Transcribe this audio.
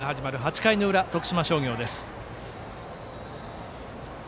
この回は森煌誠から攻撃が始まる８回の裏、徳島商業です。